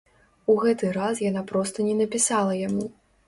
У гэты раз яна проста не напісала яму.